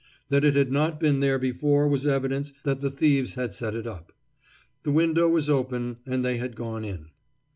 That it had not been there before was evidence that the thieves had set it up. The window was open, and they had gone in.